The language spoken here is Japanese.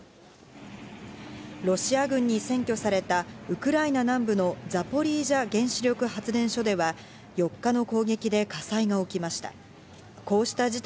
ロシア軍に占拠されたウクライナ南部のザポリージャ原子力発電所では４日の攻撃で火災が起きました。